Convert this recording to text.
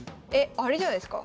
あれじゃないすか？